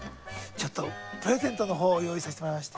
ちょっとプレゼントの方用意させてもらいました。